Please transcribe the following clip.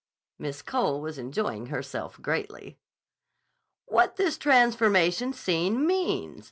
Miss Cole was enjoying herself greatly. "What this transformation scene means?